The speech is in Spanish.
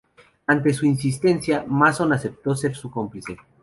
Ante su insistencia, Mason aceptó ser su cómplice.